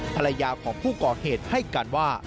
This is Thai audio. ภรรยาของผู้ก่อเหตุให้การว่า